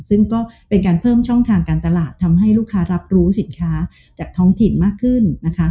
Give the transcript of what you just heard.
ซึ่งก็เป็นการเพิ่มช่องทางการตลาดทำให้ลูกค้ารับรู้สินค้าจากท้องถิ่นมากขึ้นนะคะ